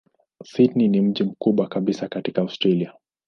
Sydney ni mji mkubwa kabisa katika Australia.